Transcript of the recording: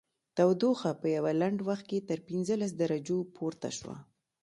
تودوخه په یوه لنډ وخت کې تر پنځلس درجو پورته شوه